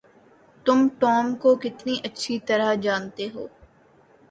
تم ٹام کو کتنی اچھی طرح جانتے ہو؟